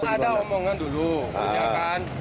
ada omongan dulu ya kan